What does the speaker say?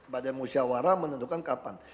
badan musyawarah menentukan kapan